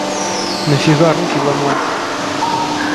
На фіга рукі ламаць?